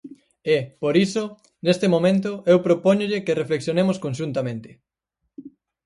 E, por iso, neste momento eu propóñolle que reflexionemos conxuntamente.